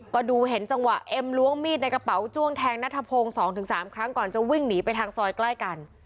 ก็ดูเห็นจังหวะเอ็มล้วงมีดในกระเป๋าจ้วงแทงนัทพงศ์๒๓ครั้งก่อนจะวิ่งหนีไปทางซอยใกล้กัน